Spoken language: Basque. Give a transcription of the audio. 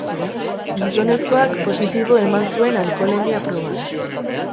Gizonezkoak positibo eman zuen alkoholemia proban.